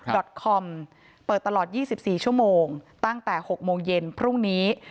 ดอตคอมเปิดตลอดยี่สิบสี่ชั่วโมงตั้งแต่หกโมงเย็นพรุ่งนี้